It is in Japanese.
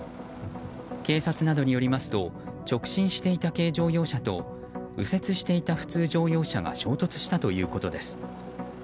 警察などによりますと直進していた軽乗用車と右折していた普通乗用車が衝突したということです。